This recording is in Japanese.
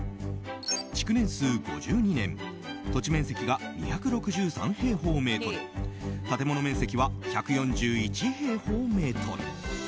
築年数５２年土地面積が２６３平方メートル建物面積は１４１平方メートル。